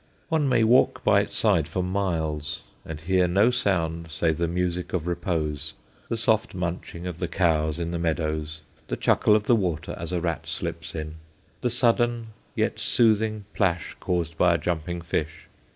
One may walk by its side for miles and hear no sound save the music of repose the soft munching of the cows in the meadows, the chuckle of the water as a rat slips in, the sudden yet soothing plash caused by a jumping fish.